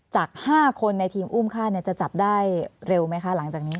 จาก๕คนในทีมอุ้มฆ่าจะจับได้เร็วไหมคะหลังจากนี้